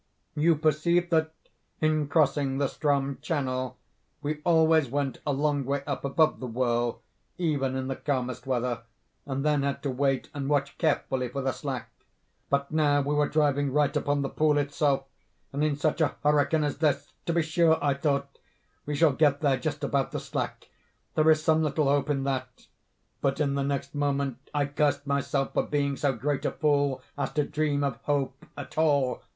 "You perceive that in crossing the Ström channel, we always went a long way up above the whirl, even in the calmest weather, and then had to wait and watch carefully for the slack—but now we were driving right upon the pool itself, and in such a hurricane as this! 'To be sure,' I thought, 'we shall get there just about the slack—there is some little hope in that'—but in the next moment I cursed myself for being so great a fool as to dream of hope at all.